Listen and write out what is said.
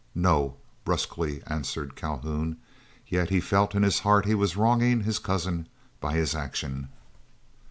"No," brusquely answered Calhoun, yet he felt in his heart he was wronging his cousin by his action.